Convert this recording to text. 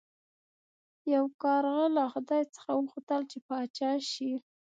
یو کارغه له خدای څخه وغوښتل چې پاچا شي.